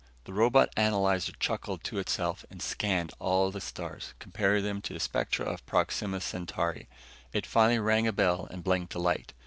The robot analyzer chuckled to itself and scanned all the stars, comparing them to the spectra of Proxima Centauri. It finally rang a bell and blinked a light.